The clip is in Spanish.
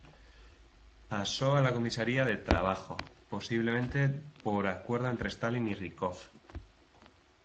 Pasó a la Comisaría de Trabajo, posiblemente por acuerdo entre Stalin y Rýkov.